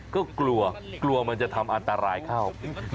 ก็กลัวกลัวมันจะทำอันตรายเข้า